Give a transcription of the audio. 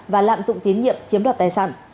và lạm dụng tiến nhiệm chiếm đoạt tài sản